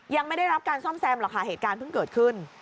ยังไม่ได้รับการซ่อมแซมหรอกค่ะเหตุการณ์เพิ่งเกิดขึ้น